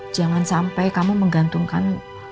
jangan sampai kamu menggantungkan